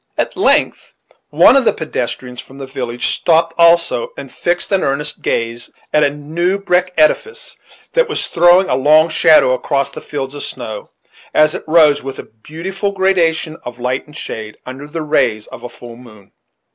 At length one of the pedestrians from the village stopped also, and fixed an earnest gaze at a new brick edifice that was throwing a long shadow across the fields of snow, as it rose, with a beautiful gradation of light and shade, under the rays of a full moon.